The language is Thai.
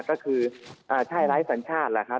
ก็คือใช่ไร้สัญชาติแหละครับ